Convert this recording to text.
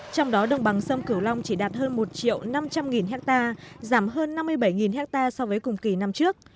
trong đó đồng bằng sông cửu long chỉ đạt hơn một triệu năm trăm linh nghìn hectare giảm hơn năm mươi bảy nghìn hectare so với cùng kỳ năm trước